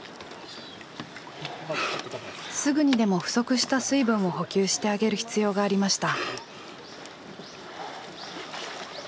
すぐにでも不足した水分を補給してあげる必要がありました。